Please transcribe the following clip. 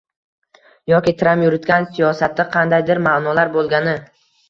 yoki Tramp yuritgan siyosatda qandaydir ma’nolar bo‘lgani